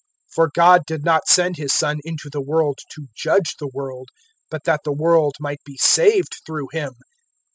003:017 For God did not send His Son into the world to judge the world, but that the world might be saved through Him.